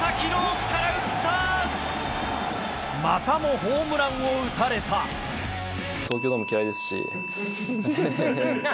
またもホームランを打たれたハハハハ。